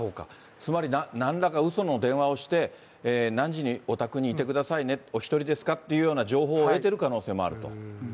つまり、なんらかうその電話をして、何時にお宅にいてくださいね、お１人ですかっていう情報を得てる可能性もあると。